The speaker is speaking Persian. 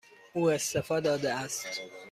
او استعفا داده است.